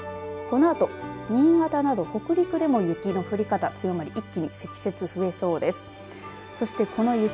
このあと新潟など北陸の雪の降り方強まり一気に積雪、増えそうです。